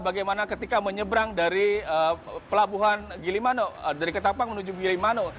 bagaimana ketika menyeberang dari pelabuhan gilimano dari ketapang menuju gilimano